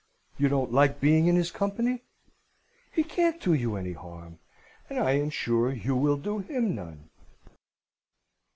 You don't like being in his company? He can't do you any harm; and I am sure you will do him none."